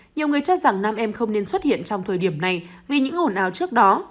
nhiều người cho rằng nam em không nên xuất hiện trong thời điểm này vì những ồn ào trước đó